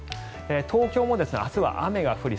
東京も明日は雨が降り